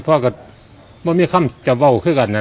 พ่อก็ไม่มีคำจะเบาคือกันอันดัง